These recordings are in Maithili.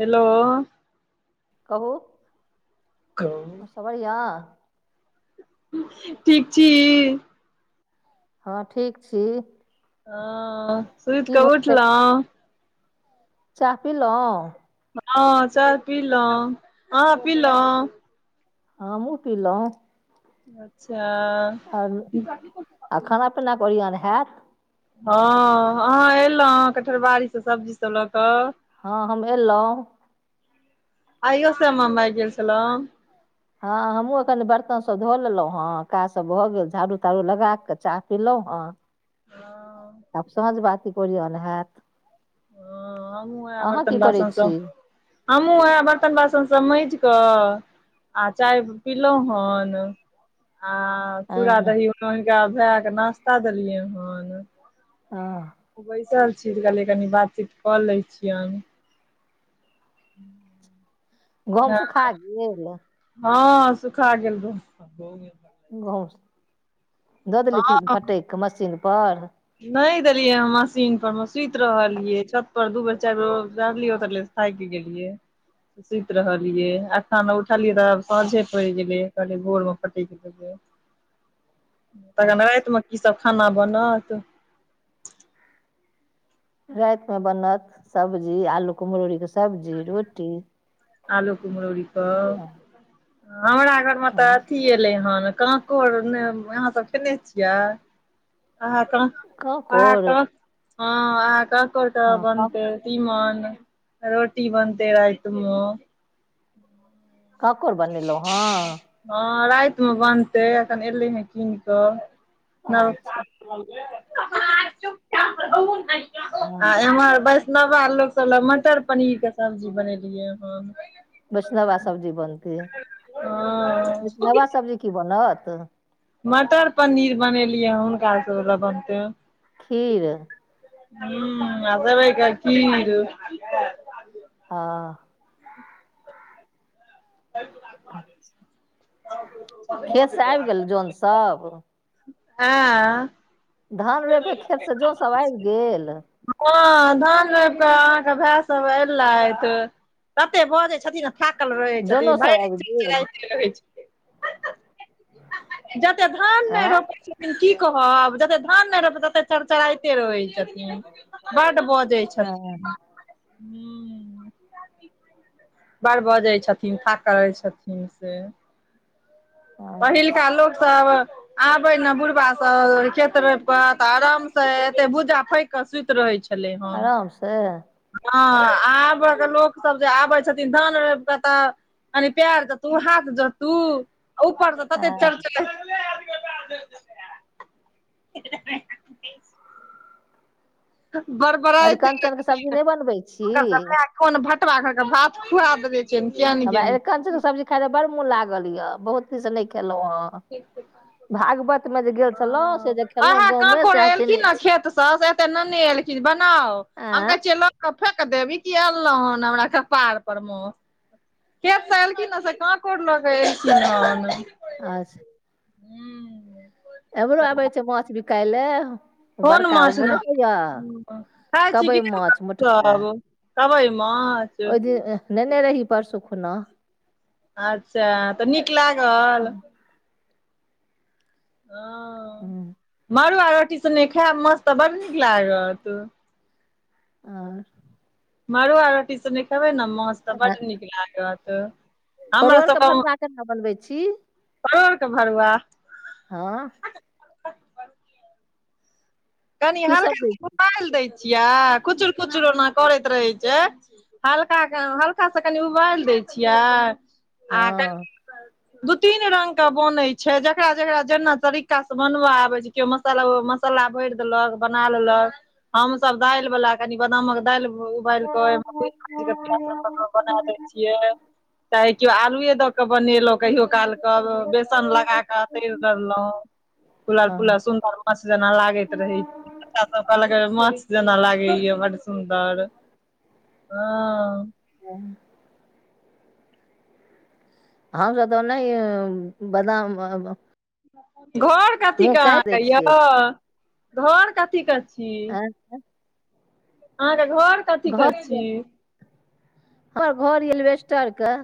हेलो कहू कहु कबड़िया ठीक छी हँ ठीक छी ह सुहित की क भेलै उठलो चाह पिलौ हँ चाह पीलहुँ हँ पिलहुँ हमहु पिलो अच्छा आर आ खाना पीना के ओरिआन हैत हँ अहाँ एलहुँ कटहलबाड़ी सँ सब्जी सब लऽ कऽ हँ हम एलौ अइयो श्यमा माइ गेल छलो हँ हमहूँ कनि बर्तनसभ धो लेलहुँ हँ काज सभ भऽ गेल झाड़ू ताड़ू लगा कऽ चाह पलहुँ हँ हँ आब साँझ बाति के ओरियान हैत ह हमु सब ह अहाँ की बर्तन करै बासन छी हमहुूँ वएह बर्तन बासन सब माइज कऽ आ चाय पीलो हन आ चूड़ा हँ दही हुनका भए क नाास्ता देलियै हन हँ बैसल छी तऽ कहलिय कनि बातचीत कऽ लै छियन [inaudible] गहुम हँ सुखा गेल हँ सुखा गेल गेहू गहुम दऽ देली हँ फटकि कऽ मशीन पर नहि देलियै मशीन पर मे सुति रहलियै छत पर दू बेर चारि बेर रहलियै ओतरलिहन थाइक गैलिए सुति रहलियै अक्खन उठलियै तऽ साँझे पड़ि गेलै कहलियै भोर मे फटेक तखन रातिमे की सब खाना बनत राति मे बनत सब्जी आलू कम्हरौरी के सब्जी रोटी आलू कुम्हरौरी कऽ हम हमरा घर मे तऽ अथि क एले हन कंकोड़ अहां सब खेने छियै अहा क अ काकोर क हँ अहाँ कांकौर हँ बनते काकोर तिमन रोटी बनते राइत म कांकौर बनेलहुँ हॅ हँ रातिमे बनतै एखन एलै हे कीन कऽ अच्छा हँ आ एम्हर बैस इतना बार लोक सब ल मटर पनीर के सब्जी बनेलियए हन वैष्णवा सब्जी बनतै हँ वैष्णवा सब्जी की बनत मटर पनीर बनेलियै हुनका सब बनते खीर ह आब भै का खीर हँ आ [inaudible] [unintelligible] ह [unintelligible] खेत से आबि गेल जौन सब हें धान रोइप क खेत से जौन सब आबि गेल ह धान रोइप के अहाँके भाय सब एलैथ कते बजै छथिन थाकल रहै जनो छथिन सब भैर आबि गेल चिलचिलाती रहै छथिन जते धान नै रोपै छथिन की कहब जते धान नै रोयप तत्ते चड़चराते रहै छथिन बड्ड बजै आँय छथिन हू बर बजै छथिन थाकल रहै छथिन से पहिलका लोक सब आबै न बुढ़बा सब खेत रोप क त आराम से एते भूजा फैक क सुत रहे छै छलले हन आराम से हँ आबके लोक सब जे आबै छथिन धान रौप क तऽ अ प्यर जतू हाथ जतू उपर स तैत चरचरै बरबराईत अरिकंचन के सब्जी एलखिन नहि बनबै छी कोन भटवा घर के भात खुआ देबै हमरा एरंकच के सब्जी खाय ल बड़ मोन लागल य बहुत दिन स नहि खेलहु ह ठ भागवत मे जे गेल छलौं से जे खेलहुं ओहे गाँव मे काकोर सह खेने छी एलखिन खेत स ननै एलखिन बनाउ आँ हमकहै छियै क फेेक देव ई की अनलौ हन हमरा कपार पर मे खेतसँ एलखिन न से काँकौर ल क एलखिन हन आ हू एमरो आबै छै माछ बिकाय लए कोन बड़का मछ ओ नहि होइय खा छी कि कबै माछ नै मोटका ओ कबइ माँ छ ओहि दिन नेने रही परसू खुना अच्छा तऽ नीक लागल ओ मड़ुआ रोटी सने खायब मा छतऽ बड नीक लागत आ मड़ुआ रोटी सने खेबै ने माछ तऽ बड्ड नीक लागत हमरा परोरके भरुआ केना बनबै छी परोरके भरुआ हँ कनि की सब हल्का दै छी? उबालदय छियै कुचुर कुचुर ओना करैत रहै छै हल्का हल्का स कनि उबालि दै छियै आ कनि हँ दू तीन रंग के बनय छै जेकरा जेकरा जेना तरीका स बनवा आबै छै केओ मसाला मसाला भरि बना लेलक हम सब दालि बला क नि बदामक दाल उबाल क ओ कुटक के प्यज सब डाली क बना दय छियै चाहे केओ आलुए दऽ कऽ बनेलहुँ कहियो काल क बेसन लगाक तैर दहुं फुलल हँ फुलल सुन्दर माछ जना लागैत रहै छै बच्चा सब कहलक माछ जेना लागैया बड्ड सुन्दर हँ ह ह त तऽ नहि बादाम घर कथीे मुँह काटि दै अहाँके य छियै घर कथी के छी अच्छा अहाँके घर कथी के घर छियै छी हमर घर एलवेस्टर के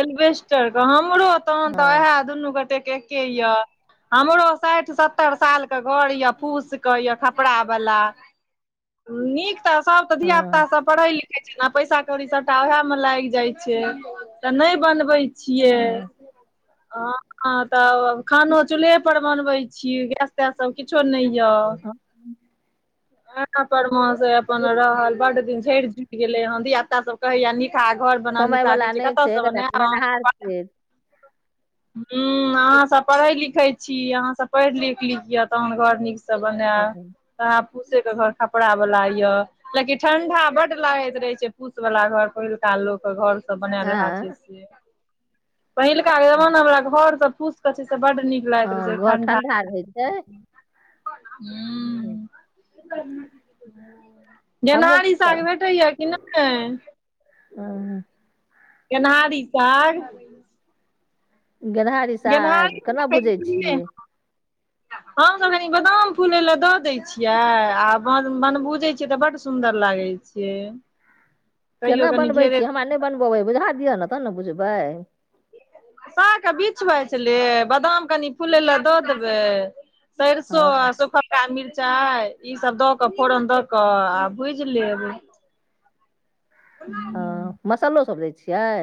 एल्वेस्टरके हमरो तहन तऽ हँ उएह दुनू गोटेके के य हमरो साठि सत्तर साल के घर य फूस के य खपड़ा वाला नीक तऽ सभ तऽ धियापुता सब पढ़ै लिख खै छै नऽ पैसा कौड़ी सबटा ओएह मे लागि जाइ छै तऽ नहि बनबै छियै हँ हँ तब खानो चूल्हे पर बनबै छियै गैस तैस सब किछो नहि य [unintelligible] पर म अपन रहल बड्ड दिन झड़ि झुरि गेलै हन धिया पुता सब कहैये नीक निकहा घर बनाउ कमाय निकहा वला कहै छियै नहि छै कतसँ एकटा बनाएब कमेनहार [unintelligible] छै हूंम्म अहाँ सब पढ़ै लिखै छी अहाँसभ पढ़ि लिख लिय तहन घर नीक स सब बनेब हँ वैहे फुसे के घर खपड़ा वाला य लेकिन ठंडा बड्ड लागैत रहे छै फुस वाला घर पहिलका लोक के घर आ, बनेलहा छै से पहिलका ख- जबाना बला घर सब फुस के छै से बड्ड नीक लागैत रहै हँ छै घर ठण्डा ठण्ढा [unintelligible] हूंम्म हमहूँ की गेनहारी साग करब भेटैये कि नहि हँ गेनहारी साग गेनहारी साग गेनहारी केना भुजै छियै हम तऽ कनी बादाम फूलै ले दऽ दै छियै आ बन बन बूजै छियै तऽ बड्ड सुन्दर लागैत छै छै केना बनबै छियै हमरा नहि बनब अबैये बुझा दिअ ने तहन ने बुझबै सागके बिछ बाछि लेब बादाम कनी फुलै लए दऽ देबै सरसो हँ आ सुखल का मिरचाइ ईसभ दऽ कऽ फोरन दऽ कऽ आ भुजि लेब हूँ हँ मसालो सब दै छियै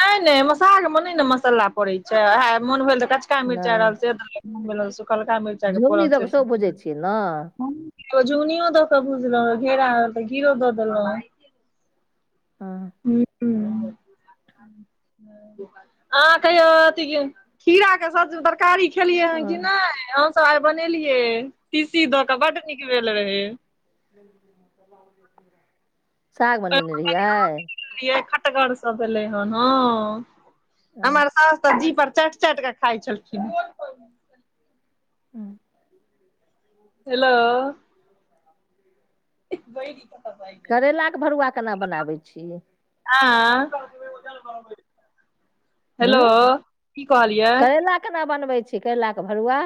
नहि नहि सागमे नहि ने मसाला पड़ैत छै उएह मोन भेल तऽ कचका मिर्चाइ नहि रहल से दऽ देलौं सुखलका मिर्चाइके झुङ्गनी फोरन दऽ कऽ सेरसो सेहो भुजै छियै ने तेलमे तो झुगनियों दऽ केऽ भुजि लेलौं घेरा आएल तऽ घीरो दऽ देलौं हँ हूंम्म अहाँ कहियो अथिके खीरा के सब्जी बरक तरकारी खेलियै हन की हँ, नहि हम सब आइ बनेलियै तीसी दऽ के बड्ड नीक भेलै रहै साग बनेने रहियै यै खटगर सब भेलै हन हँ हँ, हमर साउस तऽ जी पर चाटि चाटि कऽ खाइ छलखिन हँ हँ हेलो बहिरी करैलाके भरुआ केना बनाबै छीयै आं हेलो की कहलियै ला केना बनबै छै कयलक भरुआ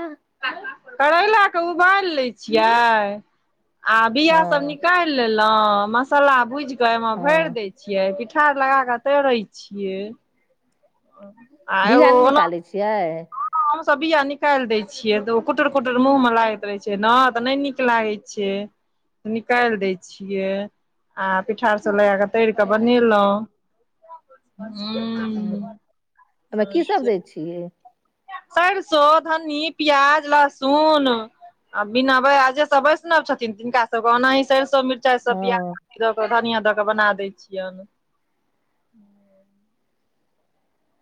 करैला के उबालि लै छियै आ बिआ सब हँ निकालि लेलहु मसला भुज के एमे भरि हँ दय छिय पि ठार लगाक तैरे छियै ह [inaudible] बिया नइ निकालै छियै हमसब बिया निकाइल दै छियै तऽ ओ कुटुर कुटर मुँह में लागैत रहै छै न तऽ नइ नीक लागै छै निकाइल दै छियै आ पिठारसब लगा कऽ तैर कऽ बनेलहुँ हं [inaudible] छि सरिसो धनी पियाज लहसुन आ बिना बेआ आ जे सब वैष्णव छथिन तिनका सबके ओनाहि सरिसो मिरच चाय हँ सब प्याज अी द कऽ धनिया दऽ के बना दै छियन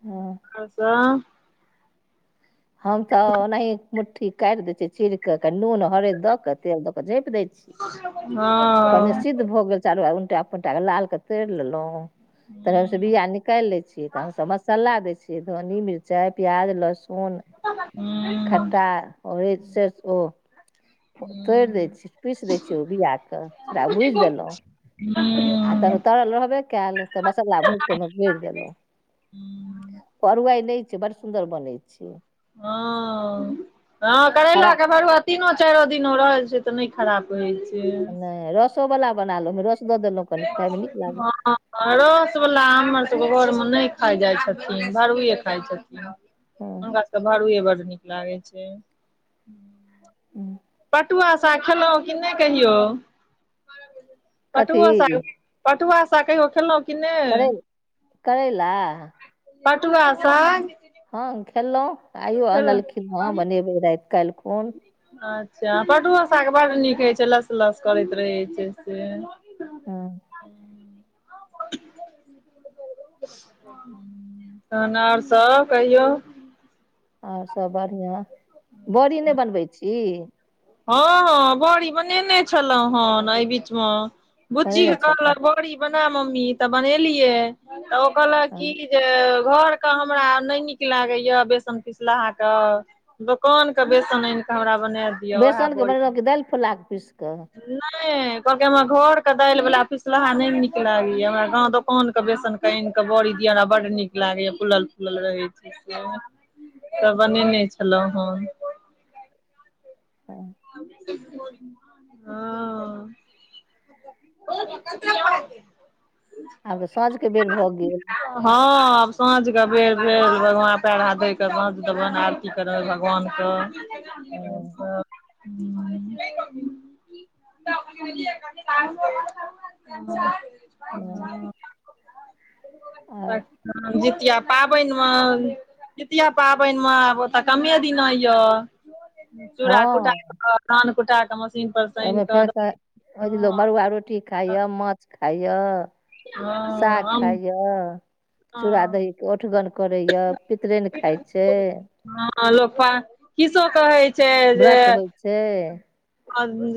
हं [unintelligible] हम तऽ ओनाही मुट्ठी काइट दय छी चीर क कनी नून हरद दऽ कऽ तेल दऽ क झँइप दै छियै हँ भ गेल चारू उलटा पुलटा के लाल के तरि लेलौ [inaudible] तऽ हमस बीआ निकाइल लै छियए तह हमसब मसल्ला दै छिए धनी मिरचाइ प्याज लहसुन [unintelligible] खटा ओय से ओ तोइड़ दै छीय पीस दै छियै ओ बीआ क ओकरा बुझि देलहुँ हं आ तन तरल रहबे कयल तऽ मसल्ला भूइज कऽ ओहिमे भैर देलहुँ हूँ अरुआइ नय छै बड़ सुन्दर बनै छै हँ हँ खराब करैलाके भरुआ तीनो चारो दिन रहैत छै त नय खराप होय छै नहि रसो वाला बना लो ओहिमे रस दऽ देलहुँ कनि खायमे नीक लागल रसवला हमरसबके घरमे नई खाइ जाइ छथिन घरुए खाइ छथिन हँ हुनका सबके भरुए बड्ड नीक लागै छै उं पटुआ साग खेलहुँ कि नई कहियौ कथी पटुआ स पटुआ सा कहियो खेलौहुं कि नई करै करैला पटुआ साग हँ खेल लहुँ आइयो अनलखिन हँ बनेबे राति काईल खुन अच्छा पटुआ साग बड नीक होइ छै लस लस करैत रहै छै से हँ [inaudible] तहन और सब कहियौ और सब बढ़िया बड़ी नई बनबै छी हँ हँ बड़ी बनेने छलहुँं हेन एहि बीच मं बुची बनेने छलहुँ कहलाक बड़ी बना मम्मी तऽ बनेलियै तऽ ओ कहलक की हँ जे घर के हमरा नई नीक लागैया बेसन पिसलाहा कऽ दोकान के बेसन आनि कऽ हमरा बना दे बेसनके बनेलहुँ कि दालि फुलआकऽ पीस कऽ नई कहलकै हमरा घर के दालि वाला पिसलाहा नई नीक लागैया हमरा दोकान के बेसन आईन कऽ बड़ी दिया बड नीक लागैया फूलल फुलल रहै छै से त बनेने छलहुँ हँ [inaudible] हँ [unintelligible] आब तऽ साँझके बेर भऽ गेल हँ आब साँझके बेर भेल भगवान कऽ ऐब पएर हाथ धोई साँझ देबनि आय आरती करब भगवानके हँ हू [unintelligible] [unintelligible] हँ आओर जितिया पाबेन मऽ जितिया पाबेन मऽ आब तऽ कमे दिना यए चूड़ा कुटा हँ कऽ धान कुटा कऽ म तऽ ओहिमे फेर ओहि लोक मड़ुआ रोटी खाइए माछ खाइए हँ साग आम खाइय चूड़ा हँ दही के औठगन करे या पितरेन खाय छै हँ लोका कि सब कहै छै जे व्रत होइ छै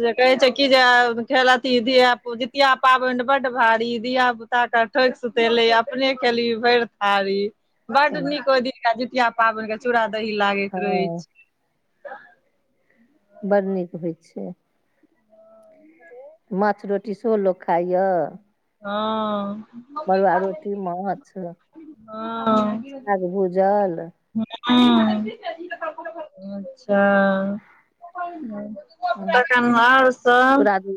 जे कहे छै की जे धिया पु जितिया पाबैन बड भारी धिया पू पुता कऽ ठोक सुतेले अपने केली भैर थारी बड हम्म, नीक ओहि दिनका जितिया पाबैन के चूड़ा दही लागैत रहै हँ छै बड़ नीक होइ छै [unintelligible] माछ रोटी सेहो लोक खाइय ह मरुआ रोटी माछ हँ साग भूजल हु अच्छा तखन आओर सब चुरा धही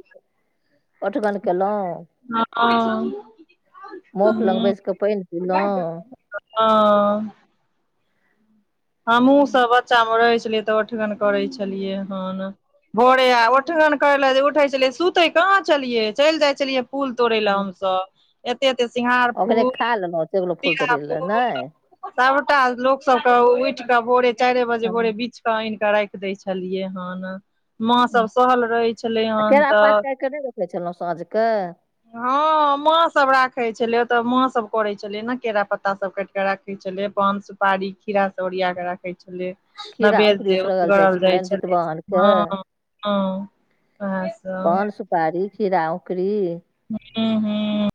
ओठगन केलौ हँ मोख लग बैस कऽ पाईनि पीलहुँ हँ हमहूँ सब बच्चामे रहै छलियै तऽ ओठगन करै छलियै हन भोरे आ ओठगन करै लए उठै छलियै सुतै कहाँ छलियै चैल जाइ छलियै फूल तोड़य लए हमसभ एते एते सिंघार ओकरे फूल खा लेलहुँ टेबुल फुल तीरा तोड़ि ले फूल नहि सबटा लोक सबके उठ कऽ भोरे चारे बजे हँ। भोरे बीस क आनि कऽ राख दै छलियै हन माँ सब सहल रहै छलै आ हन केरा तऽ पात काटि कऽ नहि रखै छलहुँ साँझके ह माँ सब राखे छलै ओतऽ माँ सब करे छलिय ने केरा पत्ता सब काट के राखे छलियै पान सुपारी खीरा से ओरिया के राखे छलै खीरा नैवेद्य अकुरी जे उसरगल उजगरल जाइ छलनि छलै जितवाहनके ह ह उएह सब पान सुपारी खीरा औकरी [unintelligible]